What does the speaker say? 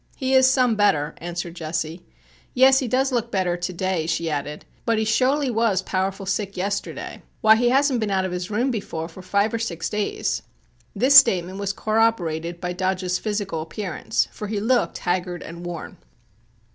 "He is some better," answered Jesse. "Yes, he does look better to day," she added, "but he sho'ly was powerful sick yesterday. Why, he hasn't been out of his room befo' fo' five or six days." This statement was corroborated by Dodge's physical appearance, for he looked haggard and worn.